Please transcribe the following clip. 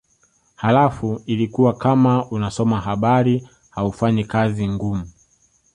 Halafu ilikuwa kama unasoma habari haufanyi kazi ngumu